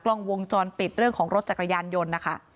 กล้องวงจรปิดเรื่องของรถจักรยานยนต์นะคะ